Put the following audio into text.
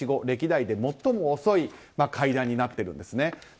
歴代で最も遅い会談になっているんですね。